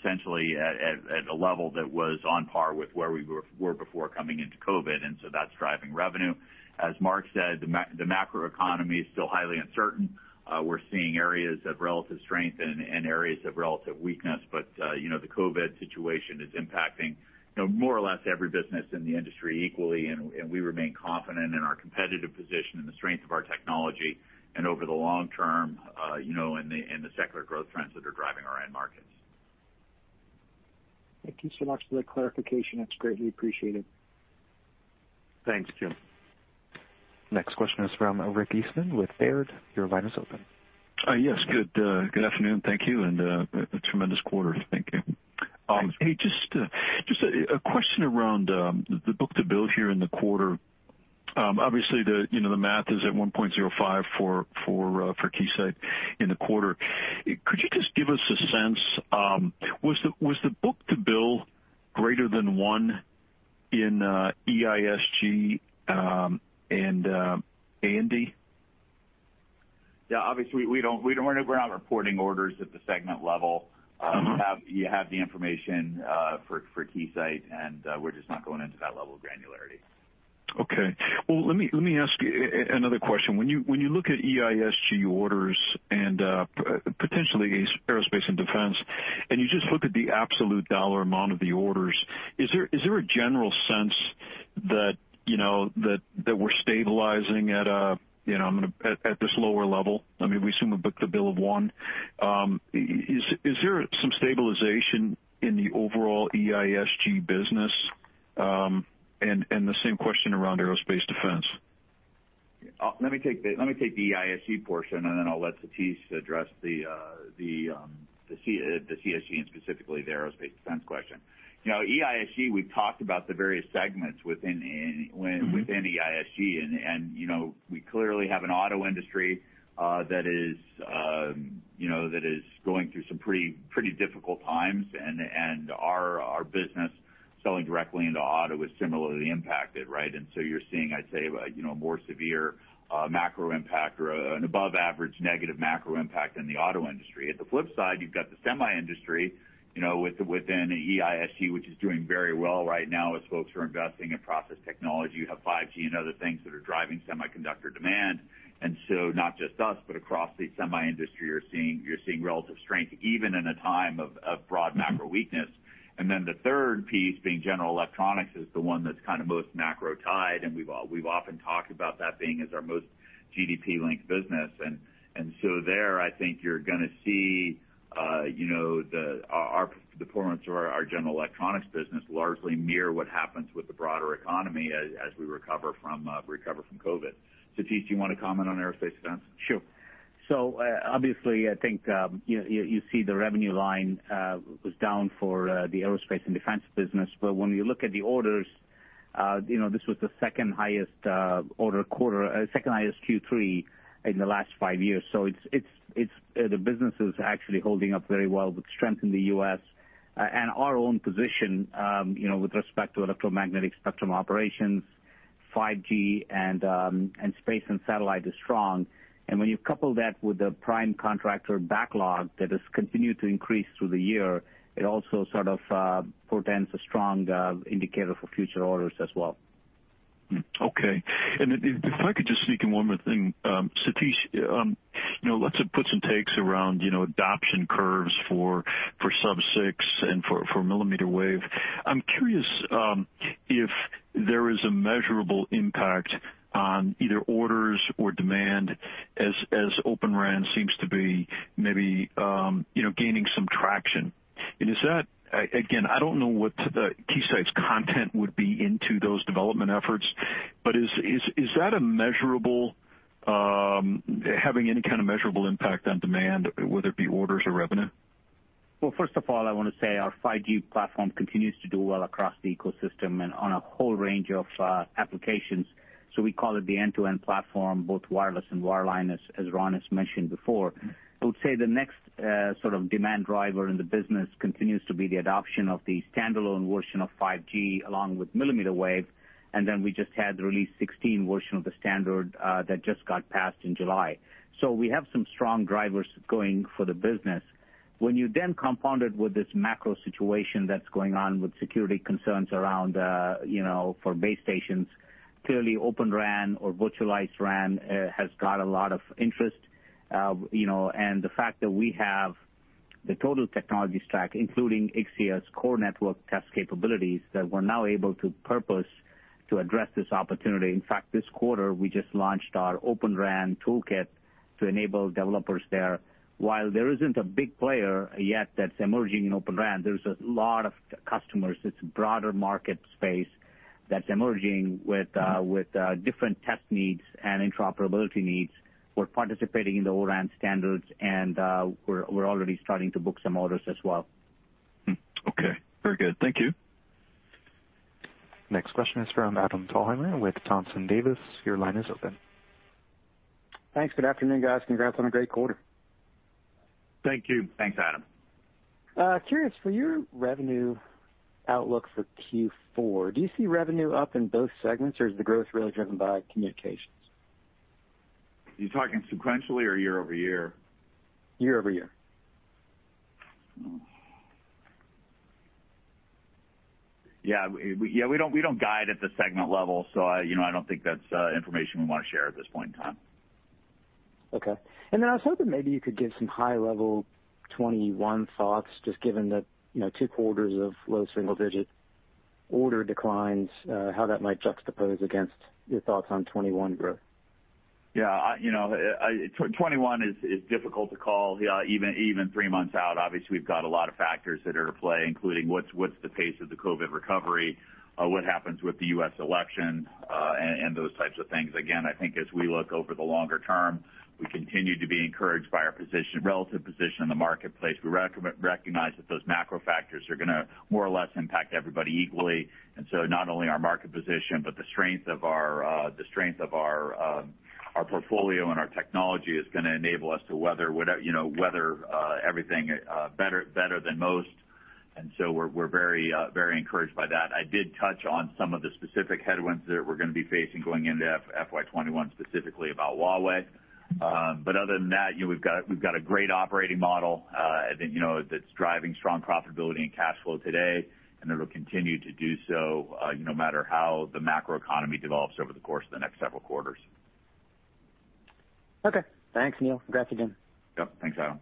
essentially at a level that was on par with where we were before coming into COVID. That's driving revenue. As Mark said, the macroeconomy is still highly uncertain. We're seeing areas of relative strength and areas of relative weakness, but the COVID situation is impacting more or less every business in the industry equally, and we remain confident in our competitive position and the strength of our technology and over the long term, in the secular growth trends that are driving our end markets. Thank you so much for the clarification. It's greatly appreciated. Thanks, Jim. Next question is from Richard Eastman with Baird. Your line is open. Yes. Good afternoon. Thank you, and a tremendous quarter. Thank you. Thanks. Hey, just a question around the book-to-bill here in the quarter. Obviously, the math is at 1.05 for Keysight in the quarter. Could you just give us a sense, was the book-to-bill greater than one in EISG and A&D? Yeah. Obviously, we're not reporting orders at the segment level. You have the information for Keysight, and we're just not going into that level of granularity. Okay. Well, let me ask you another question. When you look at EISG orders and potentially aerospace and defense, and you just look at the absolute dollar amount of the orders, is there a general sense that we're stabilizing at this lower level? I mean, we assume a book-to-bill of one. Is there some stabilization in the overall EISG business? The same question around aerospace defense. Let me take the EISG portion, and then I'll let Satish address the CSG and specifically the aerospace defense question. EISG, we've talked about the various segments. EISG, we clearly have an auto industry that is going through some pretty difficult times, and our business selling directly into auto is similarly impacted, right? You're seeing, I'd say, a more severe macro impact or an above-average negative macro impact in the auto industry. At the flip side, you've got the semi industry within EISG, which is doing very well right now as folks are investing in process technology. You have 5G and other things that are driving semiconductor demand. Not just us, but across the semi industry, you're seeing relative strength even in a time of broad macro weakness. The third piece being general electronics is the one that's kind of most macro-tied, and we've often talked about that being as our most GDP-linked business. There, I think you're going to see our performance of our general electronics business largely mirror what happens with the broader economy as we recover from COVID. Satish, do you want to comment on aerospace defense? Sure. Obviously, I think you see the revenue line was down for the aerospace and defense business. When you look at the orders, this was the second highest order quarter, second highest Q3 in the last five years. The business is actually holding up very well with strength in the U.S., and our own position with respect to electromagnetic spectrum operations, 5G, and space and satellite is strong. When you couple that with the prime contractor backlog that has continued to increase through the year, it also sort of portends a strong indicator for future orders as well. Okay. If I could just sneak in one more thing. Satish, lots of puts and takes around adoption curves for sub-6 and for millimeter wave. I'm curious if there is a measurable impact on either orders or demand as Open RAN seems to be maybe gaining some traction. Again, I don't know what Keysight's content would be into those development efforts, but is that having any kind of measurable impact on demand, whether it be orders or revenue? First of all, I want to say our 5G platform continues to do well across the ecosystem and on a whole range of applications. We call it the end-to-end platform, both wireless and wireline, as Ron has mentioned before. I would say the next sort of demand driver in the business continues to be the adoption of the standalone version of 5G, along with millimeter wave, and we just had the Release 16 version of the standard that just got passed in July. We have some strong drivers going for the business. When you then compound it with this macro situation that's going on with security concerns around for base stations, clearly Open RAN or virtualized RAN has got a lot of interest. You know and the fact that we have the total technology stack, including Ixia's core network test capabilities that we're now able to purpose to address this opportunity. In fact, this quarter, we just launched our Open RAN toolkit to enable developers there. While there isn't a big player yet that's emerging in Open RAN, there's a lot of customers. It's a broader market space that's emerging with different test needs and interoperability needs. We're participating in the O-RAN standards, and we're already starting to book some orders as well. Okay. Very good. Thank you. Next question is from Adam Thalhimer with Thompson Davis. Your line is open. Thanks. Good afternoon, guys. Congrats on a great quarter. Thank you. Thanks, Adam. Curious, for your revenue outlook for Q4, do you see revenue up in both segments, or is the growth really driven by communications? You talking sequentially or year-over-year? Year-over-year. Yeah. We don't guide at the segment level, so I don't think that's information we want to share at this point in time. Okay. I was hoping maybe you could give some high-level 2021 thoughts, just given that two quarters of low single-digit order declines, how that might juxtapose against your thoughts on 2021 growth. Yeah. 2021 is difficult to call even three months out. Obviously, we've got a lot of factors that are at play, including what's the pace of the COVID recovery, what happens with the US election, and those types of things. Again, I think as we look over the longer term, we continue to be encouraged by our relative position in the marketplace. We recognize that those macro factors are going to more or less impact everybody equally, and so not only our market position, but the strength of our portfolio and our technology is going to enable us to weather everything better than most. We're very encouraged by that. I did touch on some of the specific headwinds that we're going to be facing going into FY 2021, specifically about Huawei. But other than that, we've got a great operating model that's driving strong profitability and cash flow today, and it'll continue to do so no matter how the macroeconomy develops over the course of the next several quarters. Okay. Thanks, Neil. Congrats again. Yep. Thanks, Adam.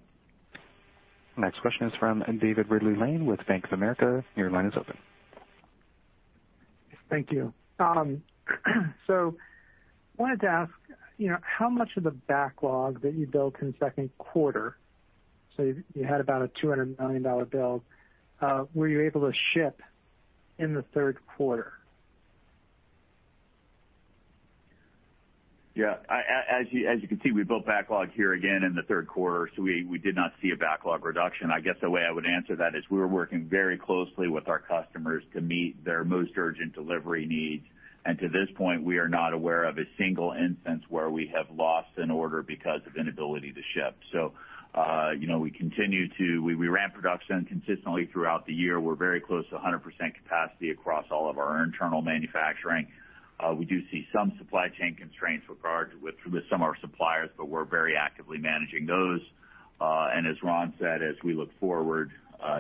Next question is from David Ridley-Lane with Bank of America. Your line is open. Thank you. I wanted to ask how much of the backlog that you built in the second quarter, you had about a $200 million build, were you able to ship in the third quarter? Yeah. As you can see, we built backlog here again in the third quarter, so we did not see a backlog reduction. I guess the way I would answer that is we're working very closely with our customers to meet their most urgent delivery needs. To this point, we are not aware of a single instance where we have lost an order because of inability to ship. We ran production consistently throughout the year. We're very close to 100% capacity across all of our internal manufacturing. We do see some supply chain constraints with some of our suppliers, but we're very actively managing those. As Ron said, as we look forward,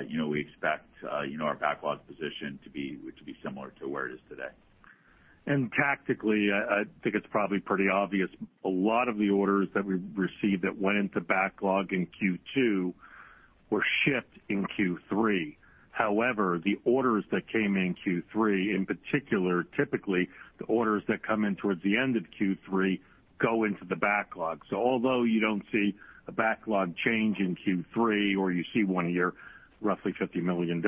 we expect our backlog position to be similar to where it is today. Tactically, I think it's probably pretty obvious, a lot of the orders that we received that went into backlog in Q2 were shipped in Q3. However, the orders that came in Q3, in particular, typically, the orders that come in towards the end of Q3 go into the backlog. Although you don't see a backlog change in Q3, or you see one year, roughly $50 million,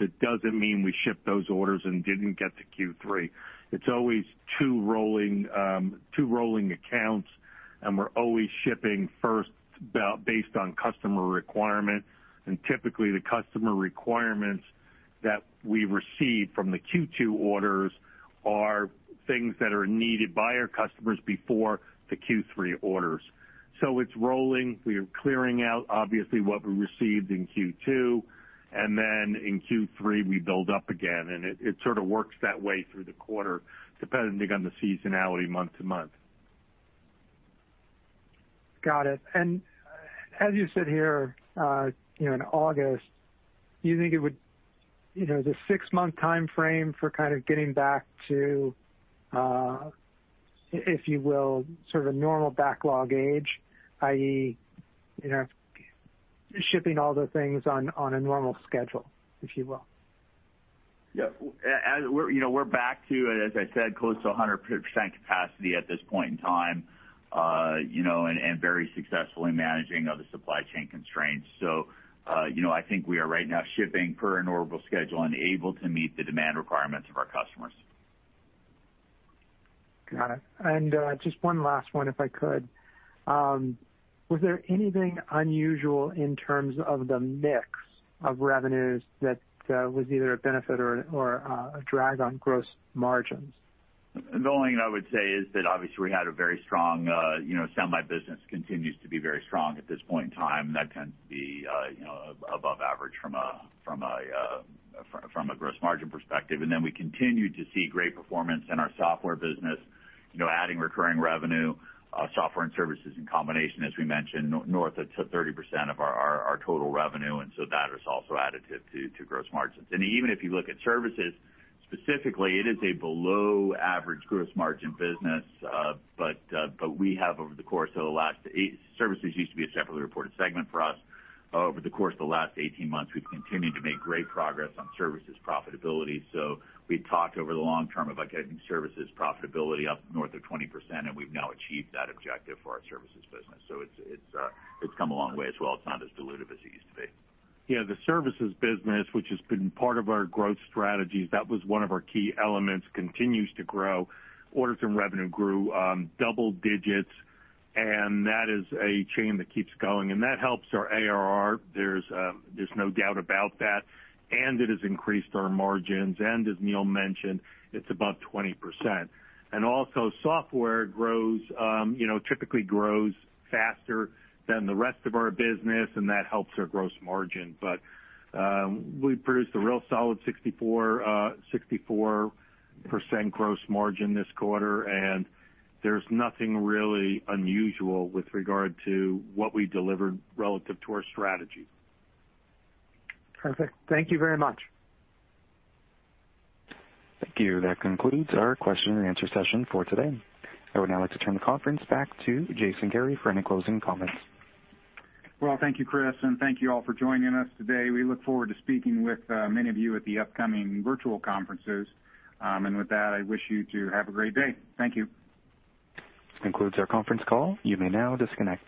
it doesn't mean we ship those orders and didn't get to Q3. It's always two rolling accounts, and we're always shipping first based on customer requirements. Typically, the customer requirements that we receive from the Q2 orders are things that are needed by our customers before the Q3 orders. It's rolling. We are clearing out, obviously, what we received in Q2, and then in Q3, we build up again, and it sort of works that way through the quarter, depending on the seasonality month-to-month. Got it. As you sit here in August, do you think the six-month timeframe for kind of getting back to, if you will, sort of a normal backlog age, i.e., shipping all the things on a normal schedule, if you will? Yeah. We're back to, as I said, close to 100% capacity at this point in time, and very successfully managing the supply chain constraints. I think we are right now shipping per a normal schedule and able to meet the demand requirements of our customers. Got it. Just one last one, if I could. Was there anything unusual in terms of the mix of revenues that was either a benefit or a drag on gross margins? The only thing I would say is that obviously we had a very strong semi business, continues to be very strong at this point in time. That tends to be above average from a gross margin perspective. We continue to see great performance in our software business, adding recurring revenue, software and services in combination, as we mentioned, north of 30% of our total revenue, that has also added to gross margins. Even if you look at services specifically, it is a below-average gross margin business. Services used to be a separately reported segment for us. Over the course of the last 18 months, we've continued to make great progress on services profitability. We talked over the long term of getting services profitability up north of 20%, and we've now achieved that objective for our services business.It's come a long way as well. It's not as dilutive as it used to be. Yeah, the services business, which has been part of our growth strategies, that was one of our key elements, continues to grow. Orders and revenue grew double digits, that is a chain that keeps going, and that helps our ARR. There's no doubt about that. It has increased our margins, and as Neil mentioned, it's above 20%. Also software typically grows faster than the rest of our business, and that helps our gross margin. We produced a real solid 64% gross margin this quarter, and there's nothing really unusual with regard to what we delivered relative to our strategy. Perfect. Thank you very much. Thank you. That concludes our question and answer session for today. I would now like to turn the conference back to Jason Kary for any closing comments. Well, thank you, Chris, and thank you all for joining us today. We look forward to speaking with many of you at the upcoming virtual conferences. With that, I wish you to have a great day. Thank you. That concludes our conference call. You may now disconnect.